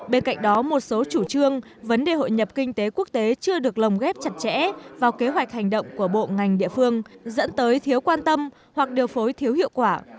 bên cạnh đó một số chủ trương vấn đề hội nhập kinh tế quốc tế chưa được lồng ghép chặt chẽ vào kế hoạch hành động của bộ ngành địa phương dẫn tới thiếu quan tâm hoặc điều phối thiếu hiệu quả